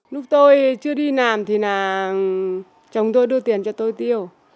lúc tôi chưa đi làm thì là chồng tôi đưa tiền cho tôi tiêu